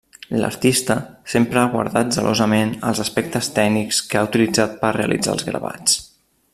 L'artista sempre ha guardat zelosament els aspectes tècnics que ha utilitzat per realitzar els gravats.